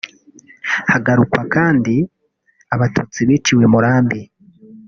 Hagarukwa kandi abatutsi biciwe i Murambi